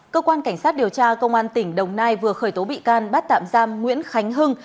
cơ quan cảnh sát điều tra công an tỉnh đồng nai vừa khởi tố bị can bắt tạm giam nguyễn khánh hưng